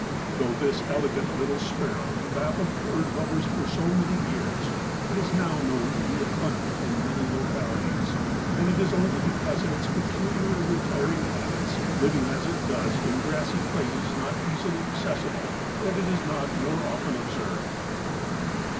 Though this elegant little Sparrow baffled bird lovers for so many years, it is now known to be abundant in many localities, and it is only because of its peculiar and retiring habits, living as it does in grassy places not easily accessible, that it is not more often observed.